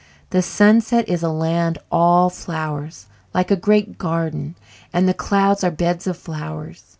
The sunset is a land all flowers, like a great garden, and the clouds are beds of flowers.